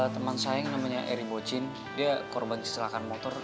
teman saya yang namanya eri bocin dia korban kecelakaan motor